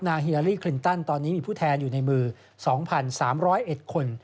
ฮิลาลีคลินตันตอนนี้มีผู้แทนอยู่ในมือ๒๓๐๑คน